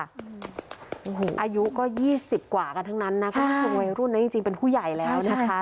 อายุก็ยี่สิบกว่ากันทั้งนั้นนะส่วนวัยรุ่นนั้นจริงเป็นผู้ใหญ่แล้วนะคะ